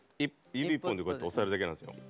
指１本でこうやって押さえるだけなんです。